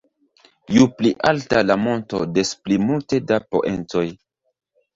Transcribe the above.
Ju pli alta la monto, des pli multe da poentoj.